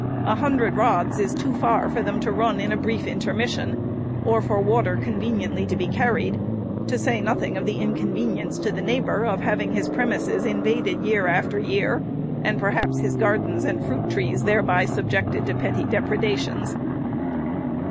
A hundred rods is too far for them to run in a brief intermission, or for water conveniently to be carried ;— to say nothing of the inconvenience to a neighbor of having his premises invaded year after year, and, perhaps, his gardens and fruit trees thereby subjected to petty depredations.